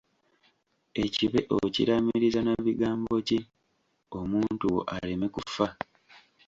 Ekibe okiraamiriza na bigambi ki omuntu wo aleme kufa?